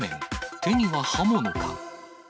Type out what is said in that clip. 手には刃物か。